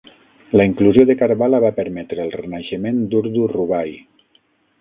La inclusió de Karbala va permetre el renaixement d"Urdu Rubai.